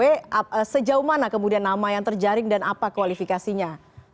jadi sejauh mana kemudian nama yang terjaring dan apa kualifikasinya